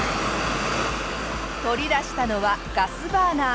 取り出したのはガスバーナー。